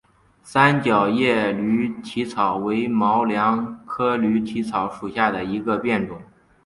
三角叶驴蹄草为毛茛科驴蹄草属下的一个变种。